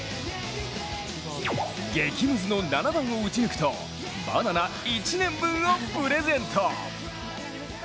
激ムズの７番を打ち抜くとバナナ１年分をプレゼント。